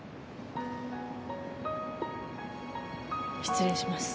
失礼します。